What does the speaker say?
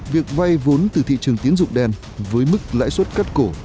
việc vay vốn từ thị trường tiến dụng đen với mức lãi suất cắt cổ